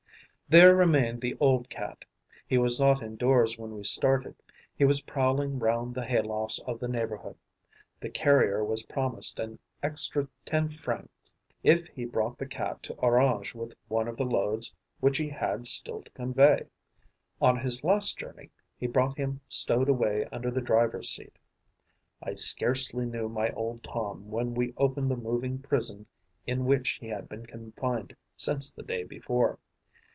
There remained the old Cat. He was not indoors when we started; he was prowling round the hay lofts of the neighbourhood. The carrier was promised an extra ten francs if he brought the Cat to Orange with one of the loads which he had still to convey. On his last journey he brought him stowed away under the driver's seat. I scarcely knew my old Tom when we opened the moving prison in which he had been confined since the day before.